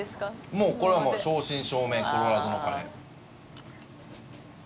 もうこれは正真正銘コロラドのカレー。